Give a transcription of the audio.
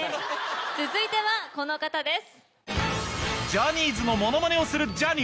続いてはこの方です。